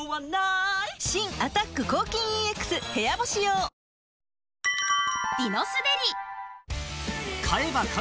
新「アタック抗菌ＥＸ部屋干し用」プシューッ！